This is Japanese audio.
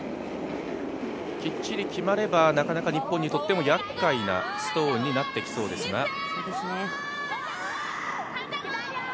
きっちり決まればなかなか日本にとってもやっかいなストーンになってきそうですが。